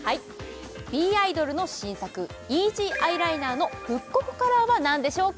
ｂｉｄｏｌの新作イージーｅｙｅライナーの復刻カラーは何でしょうか？